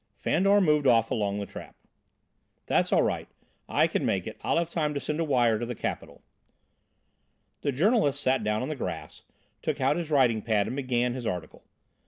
Fandor moved off along the track. "That's all right, I can make it. I'll have time to send a wire to The Capital." The journalist sat down on the grass, took out his writing pad and began his article.